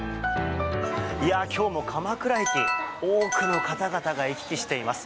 今日も鎌倉駅多くの方々が行き来しています。